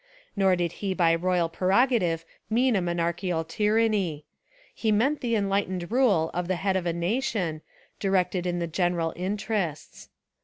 Nor did he by royal prerogative mean a monarchical tyranny. He meant the enlightened rule of the head of the nation, directed in the general interests.